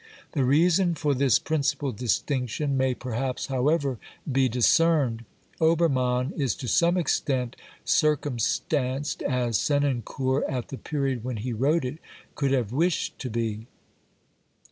The reason for this principal distinction may perhaps, however, be discerned. Obermann is to some extent circumstanced as Senancour, at the period when he wrote it, could have wished to be.